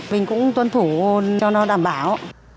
mình cũng tuân thủ cho nó đảm bảo